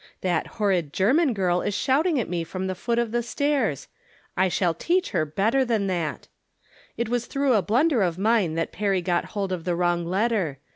That horrid rerman girl is shouting at me from the foot of tie stairs ! I shall teach her better than that, t was through a blunder of mine that Perry got old of the wrong letter.